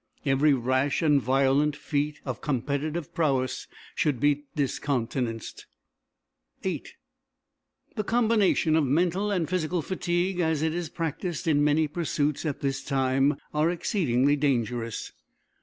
Every rash and violent feat of competitive prowess should be discountenanced. VIII The combination of mental and physical fatigue, as it is practised in many pursuits at this time, are exceedingly dangerous.